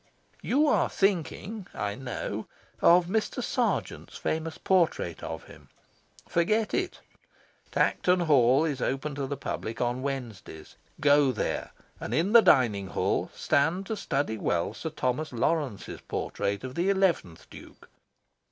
You are thinking, I know, of Mr. Sargent's famous portrait of him. Forget it. Tankerton Hall is open to the public on Wednesdays. Go there, and in the dining hall stand to study well Sir Thomas Lawrence's portrait of the eleventh Duke.